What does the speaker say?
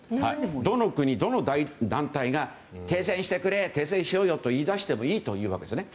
どの国、どの団体が停戦してくれ、停戦しようよと言い出してもいいというわけですね。